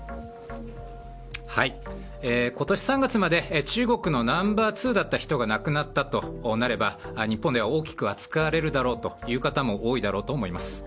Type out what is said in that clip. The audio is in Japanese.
今年３月まで中国のナンバー２だった人が亡くなったとなれば、日本では大きく扱われるだろうという方も多いだろうと思います。